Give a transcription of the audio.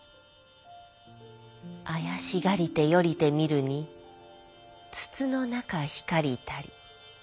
あやしがりて寄りて見るに筒の中光りたり。